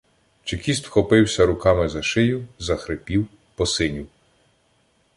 Чекіст вхопився руками за шию, захрипів, посинів.